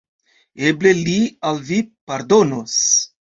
Eble li al vi pardonos.